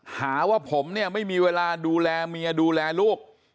หาว่าผมเนี่ยไม่มีเวลาดูแลเมียดูแลลูก